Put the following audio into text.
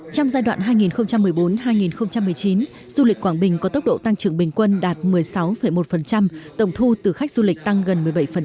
trong giai đoạn hai nghìn một mươi bốn hai nghìn một mươi chín du lịch quảng bình có tốc độ tăng trưởng bình quân đạt một mươi sáu một tổng thu từ khách du lịch tăng gần một mươi bảy